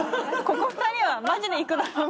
ここ２人はマジでいくだろうなって。